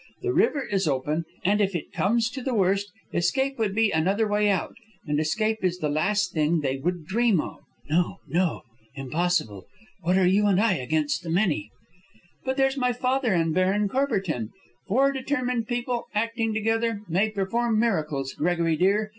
The river is open, and if it comes to the worst, escape would be another way out; and escape is the last thing they would dream of." "No, no; impossible. What are you and I against the many?" "But there's my father and Baron Courbertin. Four determined people, acting together, may perform miracles, Gregory, dear.